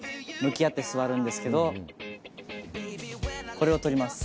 これを取ります。